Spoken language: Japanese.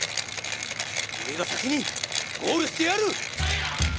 俺が先にゴールしてやる！